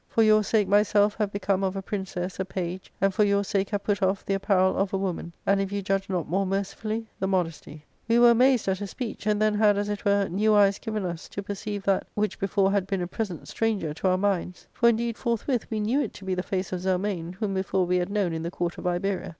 For your sake myself have become of a princess a page, and for your sake have put off the apparel of a woman, and, if you judge not more mercifully, the modesty.' We were amazed at her speech, and then had, as it were, new eyes given us to perceive that which before had been a present stranger ■ to our minds ; for indeed forthwith we knew it to be the face of Zelmane, whom before we had known in the court of Iberia.